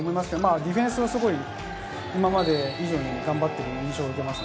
ディフェンスはすごい、今まで以上に頑張っている印象です。